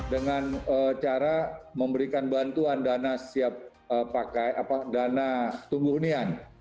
dengan cara memberikan bantuan dana siap pakai dana tunggu hunian